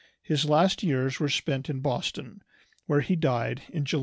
His last years were spent in Boston, where he died in July, 1828.